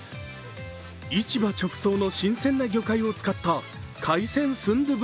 市場直送の新鮮な魚介を使った海鮮純豆腐